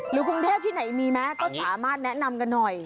กรุงเทพที่ไหนมีไหมก็สามารถแนะนำกันหน่อย